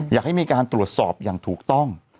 อยากให้มีการตรวจสอบอย่างถูกต้อง